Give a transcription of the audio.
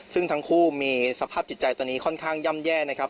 ซึ่งทั้งคู่มีสภาพจิตใจตอนนี้ค่อนข้างย่ำแย่นะครับ